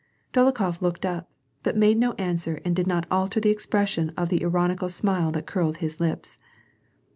Dolokhof looked up, but made no answer and did not alter the expression of the ironical smile that curled his lips.